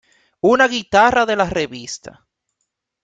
Una guitarra de la Revista.